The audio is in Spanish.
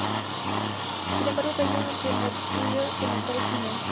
Sin embargo cayó ante el Montpellier en octavos de final.